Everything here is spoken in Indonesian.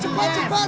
ih ini udah cepat